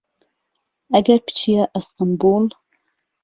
ئەگەر پچیە ئەستەمبول